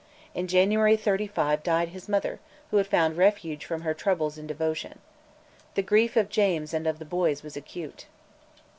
In January 1735 died his mother, who had found refuge from her troubles in devotion. The grief of James and of the boys was acute.